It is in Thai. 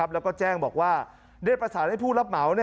แล้วก็แจ้งบอกว่าเรียกภาษาให้ผู้รับเหมา